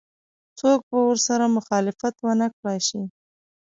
څوک به ورسره مخالفت ونه کړای شي.